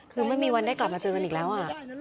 คือไม่มีวันได้กลับมาเจอกันอีกแล้ว